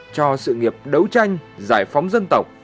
cho sự nghiệp đấu tranh giải phóng dân tộc